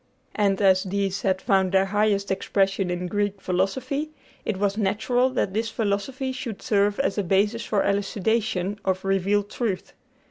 And as these had found their highest expression in Greek philosophy, it was natural that this philosophy should serve as a basis for the elucidation of revealed truth.